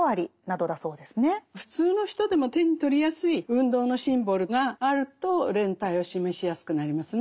普通の人でも手に取りやすい運動のシンボルがあると連帯を示しやすくなりますね。